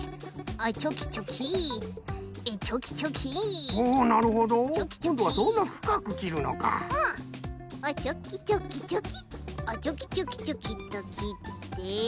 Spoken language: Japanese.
あっチョキチョキチョキあっチョキチョキチョキッときって。